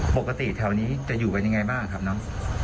ปกติแถวนี้จะอยู่เป็นอย่างไรบ้างครับเนอะ